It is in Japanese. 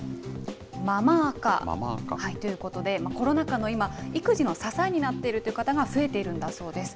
ママ垢。ということで、コロナ禍の今、育児の支えになっているという方が増えているんだそうです。